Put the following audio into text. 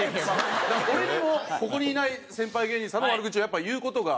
俺にもここにいない先輩芸人さんの悪口を言う事が多くて。